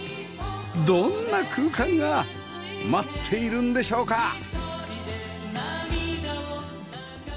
どんな空間が待っているんでしょうか？